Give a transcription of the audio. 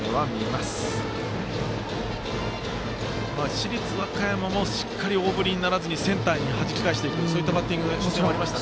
市立和歌山も大振りにならずにセンターにはじき返していくそういったバッティングありました。